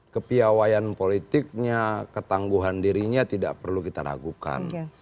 kepiawayan politiknya ketangguhan dirinya tidak perlu kita ragukan